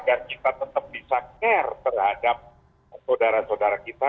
agar kita tetap bisa care terhadap saudara saudara kita